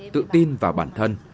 tự tin vào bản thân